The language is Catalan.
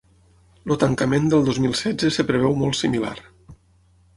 El tancament del dos mil setze es preveu molt similar.